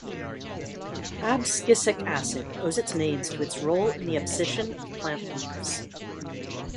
Abscisic acid owes its names to its role in the abscission of plant leaves.